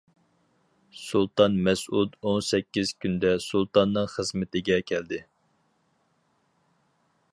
سۇلتان مەسئۇد ئون سەككىز كۈندە سۇلتاننىڭ خىزمىتىگە كەلدى.